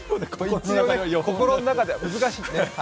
心の中で難しい。